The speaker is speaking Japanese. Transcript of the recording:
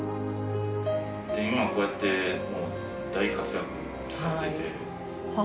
今はこうやってもう大活躍されてて。